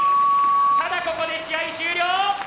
ただここで試合終了。